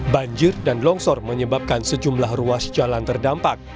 banjir dan longsor menyebabkan sejumlah ruas jalan terdampak